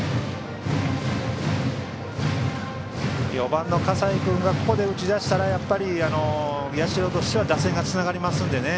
４番の笠井君がここで打ち出したらやっぱり、社としては打線がつながりますのでね。